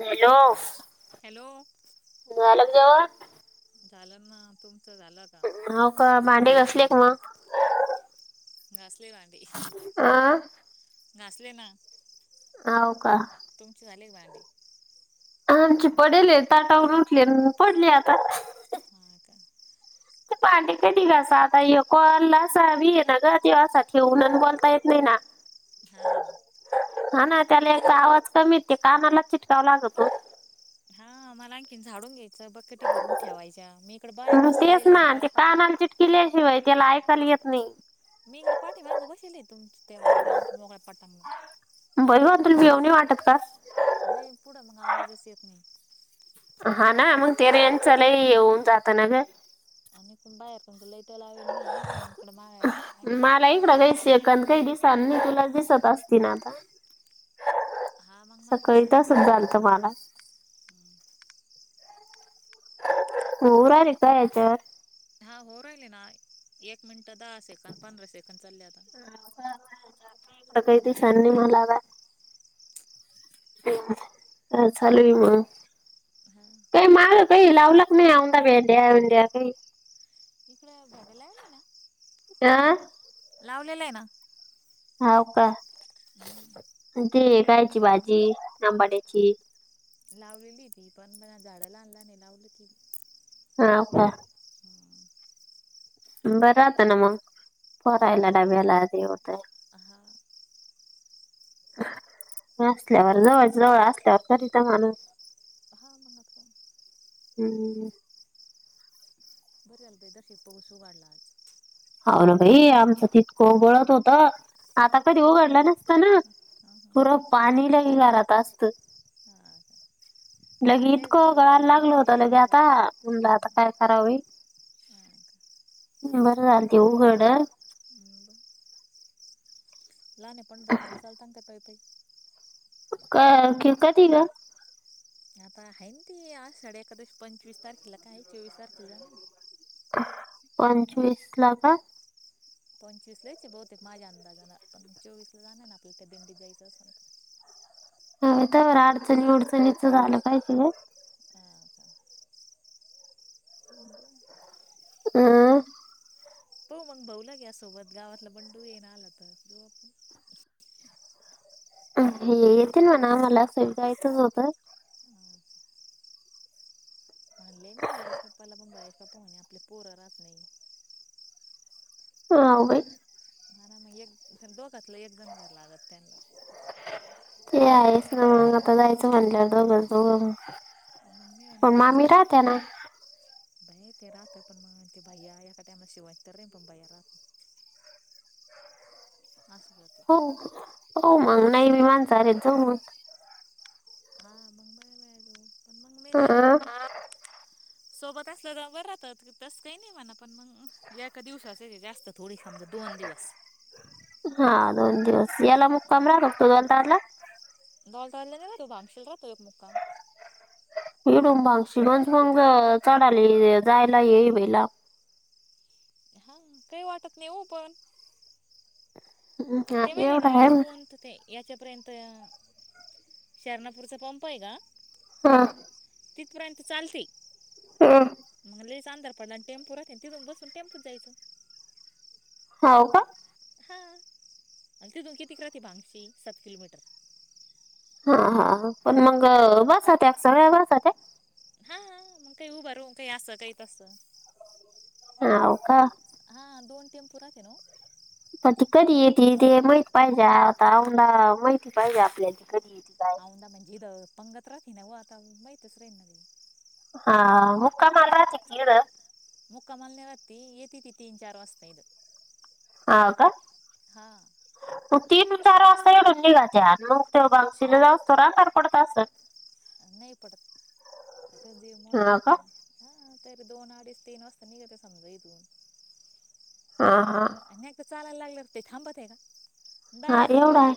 Hello hello झालं जेवण? झालं ना तुम हो का, भांडे घासले का मग? घासले भांडी, आ घासले ना. होव, का. तुमची झाली का भांडी? आमचे पडेले, ताटावरून उठले, न पडले आता. हा का ते भांडी कधी घासा आता, ह्यो कॉल असा भी येईना गं, ते असा ठेवून अनं बोलता येत नाही न हा. हा, नाव उन्हात आलं का, आवाज कमी येत, कानालाच चिटकाव लागतो. हं, मला आणखीन झाडून घ्याय च बकटी भरून ठेवायच्या. मी इकडं बाहेर मग बसलेले, लई पार पाटी तेला ऐकायला येत नाही. मी इकडं पाठीमागं बसले. तुमच [inaudible] की आमच्या मोगळा पटांगलं भिऊणी वाटत का. बैल पुढं, मग आवाजाचं येत नाही. हा, ना मग ते रेंजच लई येऊन जात ना गं. आम्ही पण बाहेर, तुमची लाईट लावेल मी पण [unintelligible] मला इकडं [unintelligible] दिसत असती ना आता. [inaudible] हा, मग मला सकाळी दिसत असल तसच ना ते झालत मला हो, अरे काय आहे याच्यावर? हा, होऊ राहिले नाय. एक मिनट [unintelligible] इकडं काय दिसणी मला काय. हं, काय चाललंय मग? हा ते माळ काही लावल का नाही, औंदा भेंड्या बिंड्या काही? [unintelligible] [unintelligible] ठेवलेल आहे ना. नाव काय? हम्म ते खायची भाजी अंबाड्याची. लावलेली ती पण बण झाडंला आणला नाही लावली ती. हा काय. बरं आताना मग पोरायला डब्याला देव ह हां [inaudible] असल्यावर जवळच्या जवळ असल्यावर करीत माणूस. हा मग आता हम्म बरं झालत दश पाऊस उघडला आज. हो ना भाई आमचं तितकं गळत होत आता कधी उघडलं नसत ना. हा हा पुरं पाणीला क घरात असत. हा का लगे खाल्ले इतकं घर गळायला वरले आणि लागल होत वरले लगे वरले आता मुलं हा आता काय हा कराव बाई. हा का ह् बरं झालं ते उघडलं. हम्म लांब आहे पंढरपूरला चालतान का, पायी पायी? काकी, कधी गं? आता आहे ना ती आषाढी एकादशी, पंचवीस तारखेला काय चोवीस तारखेला नाही? पंचवीसला का? पंचवीसलईच आहे बहुते माझा अंदाजानं, पण चोवीसला जाण आहे ना आपल, त्या दिंडीत जायचं असल तर. हो, हो. तवर अडचणी बिडचणीच झालं, काय करू. तर हा का हम्म हो मग भाऊला घ्या सोबत गावातलं बंडू येन आला तर जाऊ आपण. हे येतीलना मला असं बी जायचच होतं. म्हणले मी बय्याच्या पाप्पाला पण बय्याचे पाप्पा म्हणे आपले पोर रहात नाही. हा होय हं मग एक दोन. ते आहेच ना मगं आता जायचं म्हणल्यावर दोघजण मग मी मगं. म्हणलं मामी चला राहत्या ना? बाई ते राहतं पण म ते भैया एका टायमला शिवाय तर रे पप्पा येणार. माशी हो हो मगं नाही मी माणसाने जमतं. मला हा सोबत असलं गाव बरं राहतात तसं काही नाही म्हणा पण मगं एका दिवसाच हाय जास्त थोडी. समजा दोन दिवस हा दोन दिवस याला हा मुक्काम राहतं असतो गंधारला. [unintelligible] [unintelligible] जायला लय बाई लांब. हा काही वाटत नाही हो पण. हा ते माहिती आहे एवढा का इथून ते यांच्यात. पर्यंत शर्णापूरचा पंप आहे का. हां तिथपर्यंत चालते. हां आंदर पडल्यान टेम्पू राहते, तिथून बसून टेम्पूनं जायचं. हो का? हां आणि तथून कितीक बगशी सात किलोमीटर. हा हा पण मग बसत सगळ्या बसत्या. हा, काही उभारू, काही असं, काही तसं होव का? हा दोन टेम्पो राहत्या ना. पण ती कधी येत, ते माहित पाहिजे आता, उन्हाळा माहिती पाहिजे आपल्या ती कधी येते? काय औंदा म्हणजे इथे पंगत रहती ना व आता माहितच नहीं हा मुक्कामाला रहते तिड मुक्कामाला नाही रहात ती, येती ती तीन चार वाजता येती. हा का. हा, मग तीन चार वाजता येडून निघाच्या मग ते बगशीने जाऊस्तर अंधार पडत असल नाही पडत, दिवस मोठा हा राहतो. का हा तरी दोन अडीच, तीन वाजता निघते समजा इथून ह हा आणि नाही का चालायला लागलं ते थांबातेये का? हा डायरेक्ट एवढा ये आहे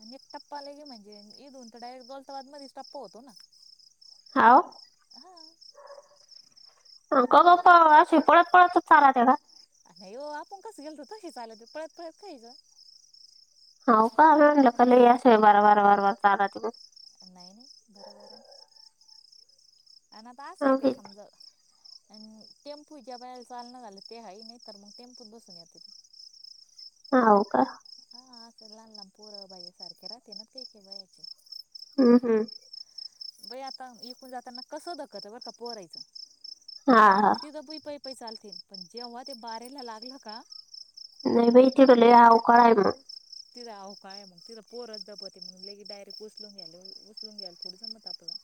आणि एक टप्पाला के म्हणजे इथून तर डायरेक्ट दोन स्टॉप मधेच टप्प होतो ना हाव हा रुकोगा हा असशी पळत पळतच चारात्या का? नाही हो, आपण कसं गेलतो तशी चालत पळत पळत काहीच् हो का म्हटले पलया अस बार बार बार बार चालत मग. नाहीईन बरोबरन [unintelligible] आणि तास येत मग समज आणि टेम्पू ज्या बाला चालना झालं ते आहे नाही तर मग टेम्पूत बसून येत. हाव का? हा असं लहान लहान पोरं बाई सारखे राहते ना ते के वयाचे हम् हम्म बई आता इकडून जाताना कस दखलत बरं का पोहरायचं हा हा चालतील पण जेव्हा ते बारेला लागलं का नाही बाई तिथे लय अवकाळ आहे मग. तिथे अवकाळ ए म्हणे, तिथे पोरं दपते म्हण लगेच तयारी उचलून घ्याल पुढेच जात मग आपल्याला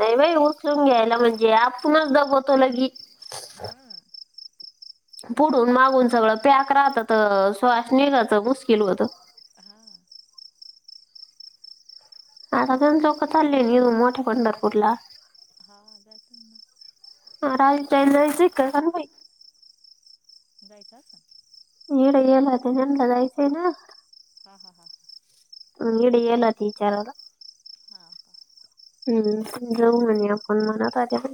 नाही नाही उचलून घ्यायला म्हणजे आपणच दबवतो लगि हा पुढून मागून सगळं प्याक राहतं तर श्वास निघायचं मुश्किल होत हा आता गण लोकं चालले घेऊन मोठ्या पंढरपूरला हा आता जाताना [unintelligible] जायचं स ईड येलते, यांनला जायचय ना? हा हा हा इंड येलते इचारला? हा का हम्म, जाऊ म्हणे आपण म्हणत होत्यात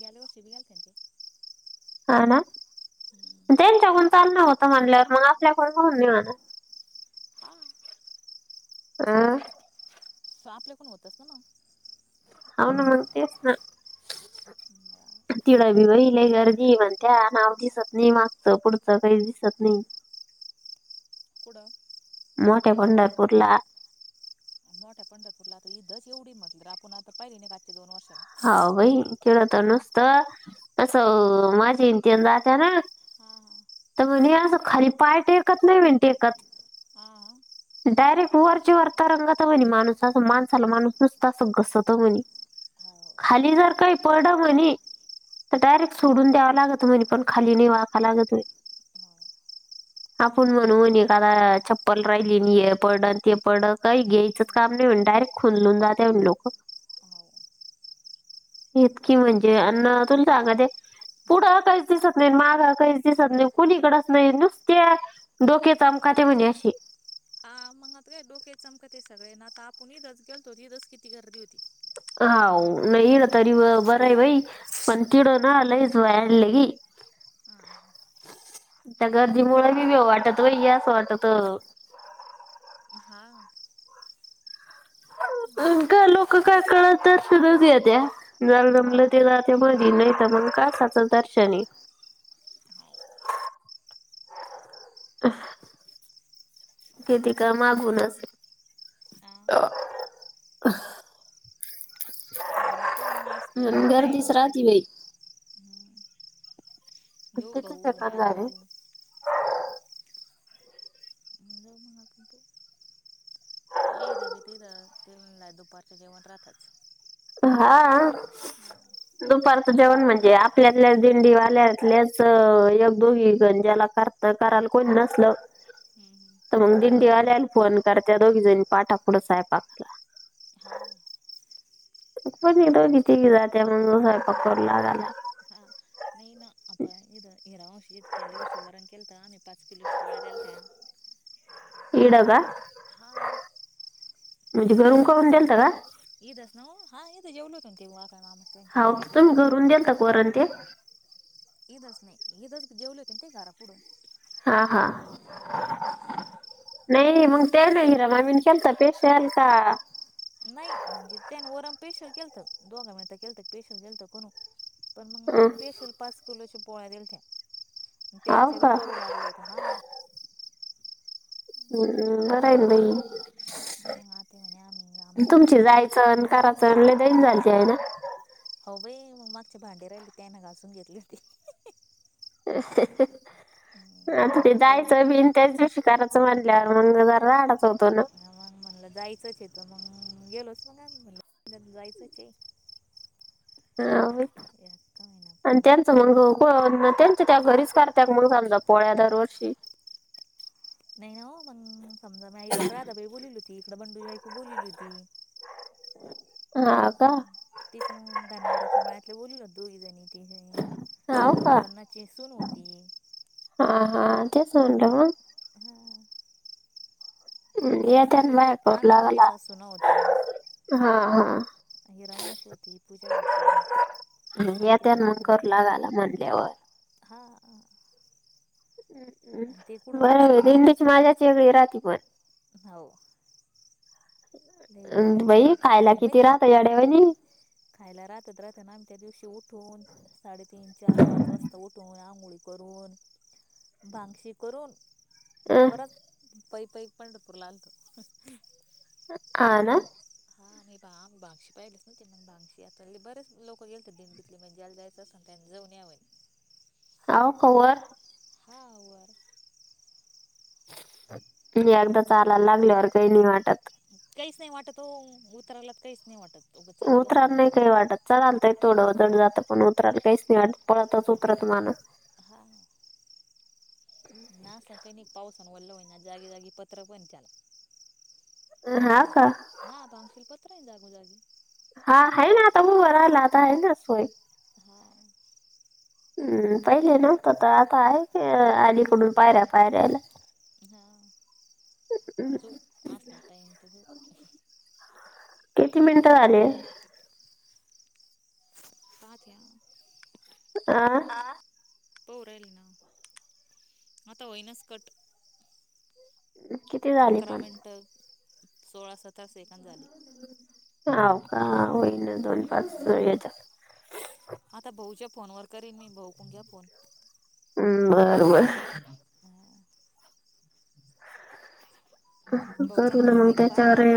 गेल्या वर्षी बी गेलत्यां? हा ना, त्यांच्याकून चालन होत म्हल्यावर मग आपल्याकड होऊन दे म्हणा हा आ तसं आपल्याकुन होतच ना मग. हो ना मग तेच ना मग तिड बी लय गर्दी म्हणत्या, नाव दिसत नाही, मागचं पुढचं काही दिसत नाही. [inaudible] कुड मोठ्या पंढरपूरला. मोठ्या पंढरपूरला ह इदच एवढी म्हटलं तर आपण आता पहिली नई आजचे दोन वर्ष हा बाई तीड तर नसत तस माझी इंतिहन जात्या ना. हा तर म्हणें अस खाली पाय टेकत नाही म्हने टेकत. हा हा डायरेक्ट वरची वर तरंगत म्हणे माणूस अस माणसाला माणूस नुसत असं घसत म्हणे. हा खाली जर काही पड म्हणे. तर डायरेक्ट सोडून द्यावा लागत म्हणे पण खाली नाही वाका लागत. आपण म्हणू एक आदा हो चप्पल राहिली ये पड आणि ते पड काही घ्यायचंच हो काम नाही म्ह डायरेक्ट खुनलून जाते म्हने लोक. हो इतकी म्हणजे अण् तुला सांगा ते. पुढं काहीच दिसत नाही मागा काहीच दिसत नाही कुणीकडच नाही नुसत्या डोक्याच काते म्हणी अशी हा मग आता काय डोके चमकते सगळे ना आता आपण इथंच गेलो इथंच किती गर्दी होती. हाव नाहीड तरी बरय बाई पण तिड ना लईच हा [unintelligible] [inaudible] त्या गर्दीमुळे बी वाटत हो असं वाटत. हा [inaudible] अन् का लोक काय कळतच न त्या जालं हा जमलं ते जात मदी नाय त मग कळसच दर्शनये किती क मागूनच [inaudible] हा [inaudible] असलं गर्दीच टाइम तर राहती जाऊ बाई. हम्म घेऊ कितीचे भाऊ काम दादू झाले जाऊ मग आपण पो [inaudible] ये रे भी तीथ ते दुपारच्या जेवण राहतच. हां दुपारचं जेवण म्हणजे आपल्यातल्याच दिंडी वाल्यातल्याच एक दोघी गंज्याला. करता करायला कोण नसल. हम्म तर मग दिंडी आल्याला फोन कर त्या दोघी जणी पाठा पुुढं सयपाकाला. हम्म हा [inaudible] कोणी दोघी, तिघी जात्या मग स्वयंपाक करू लगायला. हा नाही ना आता हिरांशी गेल्यावर्षी वरण केलत आणि पाच किलोच्या पोळ्या दिलत्या इड का म्हणजे ते गरम वर्षी करून देलत का? इथंच ना हो हा जेवलो होतो ना तेव्हा. हा तर तुम्ही घरून दिलंत का वरण ते. ईदस नाही ईदस जेवले होते न ते दारापुढ. हा हा नाही मग त्या नाही. ममीन केलत पेशल का नाही म्हणजे त्यानी वरम पेशयल केलत दोघा मिळता केलत पेशल केलत कोण. पण मग अं, आम्ही पेशल पाच किलो अस पोळा दिलत्या. हाव त्यांच्या बी का करू लागलो होत हा. ह बरंय ना बाई. मग आता म्हणे आम्ही आमच्या तुमची पेशल जायचं न करायचं ल दईन आहे ना? मागचे भांडे राहिले ते न घासून घेतली होती. हम्म, आता पण ते मग तरी जायचं बिन त्याच दिवशी. तयारंच म्हणल्यावर, म्हणून जरा राडाच होतो ना? म्हणला जायचंच आहे तर मंग, गेलोच मग आम्ही म्हणलं, जायचंच आहे. हा, बोल. यात का होईना आणि त्यांचं मग, त्यांचं त्या घरीच करत्यात मग समजा पोळ्या दरवर्षी. [inaudible] नाही ना हो मग. समजा नाही कोण राधाबाई बोलवलेली होती, इकडं बंडूची बायको बोलवलेली होती हा का? तिकडूण धनगराच्या मळ्यातल्या, बोलवल्या होत्या दोघीजणी. हाव तिथं का धोंडूआण्णा ची एक सून होती. हा हा.. तेच म्हणलं मग? हम्म, हं.. येत्या ना आमी दो, बाया करू आम्ही दोघी लागायला सासू-सुना होत्या. हा हा हीरामावशी होती, पूजा होती. अंतिका येत्याल मग, मामी करू होती लागायला म्हणल्यावर. हा हम्म्.. आणि ते कुठं लगे बरंबाई, सकाळीच दिंडीची मजाच वेगळी राहती पण. हो. नाही बाई अं, गं बाहेर राहता खायला आम्ही किती माहिती, राहतं येड्यावानी खायला राहतात राहतात ना आम्ही त्या दिवशी उठून, साडेतीन-चार-पाच वाजता उठून आं घोळी करून, भांग-शेक करून, अं, परत पै पै पंढरपूरला आलतो. हा ना? आम्ही बाया माणसं, बाया माणसं ह्यातले ते बरेच लोकं गेलते दिंडीतले म्हणजे, ज्याला जायचं असेल त्यांनी जाऊन यावे. येवू का वर? हा वर एगदा चालायला लागल्यावर, काही नाही वाटत. काहीच नाही वाटत ओ, उतरायला काहीच नाही वाटत. उगं चढायला उतरताना थोडं काही नाही वाटत, चढताना थोडं जड जातं. पण उतरायला काहीच नाही वाटत, पळंतच उतरतं माणूस. हां. नाही असं काही नाही. पावसानं ओलं होवून ना, जागी-जागी पत्रं पण आहेत त्याला. अ.. हा का? कुठं आहे? जागो-जागी. हा, है ना! आता उभ राहिला, आता आहेना सोय. हा. हम्म.. पहिल्या नव्हतं तर आता आहे की, अलीकडून पायऱ्या-पायऱ्याला. हा जावू, असला टाईम तर जावू. किती मिनिटं झाले? पाहत्या आं? आ. पाहू राहिल ना, आता होईनाच कट. किती झाले अकरा पण मिनिटं, सोळा-सतरा सेकंद झाले. हा होईल ना, दोन-पाच हम्म. हेच्यात. आता भाऊच्या फोनवर करीन मी, भाऊ मग घ्या फोन. हम्.. बर बर. अं, भाऊचा करु ना नंबर मग आहे का पाठ त्याच्यावर? तरी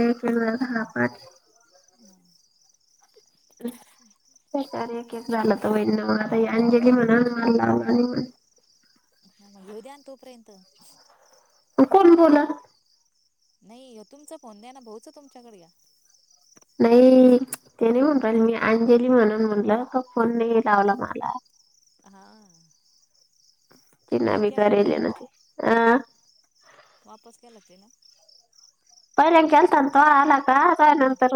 एकीकडे, झाला पाट. अं, ह. हं एकावर एकेक झालं तर होईल ना ओ, ती अंजली म्हणल मला लावलं [inaudible] हा, मग घेऊ द्या, तोपर्यंत. कोण बोलला? नाही हो, तुमचा फोन द्या ना. भाऊचा तुमच्याकडे घ्या. नाही ते नाही हां म्हणून हां राहिले मी. अंजली म्हणून म्हणलं त फोन नाही लावला मला हां आणि तीन तिने बी केला का करेल ना वापस ते आ हां [unintelligible] [unintelligible] केलतंन तवा आला का काय नंतर